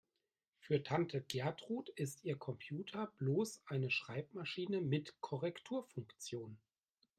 Für Tante Gertrud ist ihr Computer bloß eine Schreibmaschine mit Korrekturfunktion.